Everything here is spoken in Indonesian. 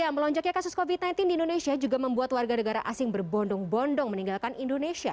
melonjaknya kasus covid sembilan belas di indonesia juga membuat warga negara asing berbondong bondong meninggalkan indonesia